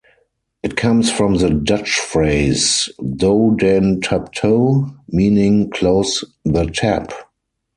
It comes from the Dutch phrase "Doe den tap toe", meaning "Close the tap".